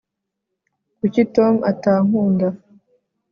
kuki tom atankunda